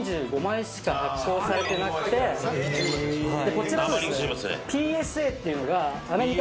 こちらですね。